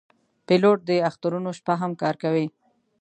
پیلوټ د اخترونو شپه هم کار کوي.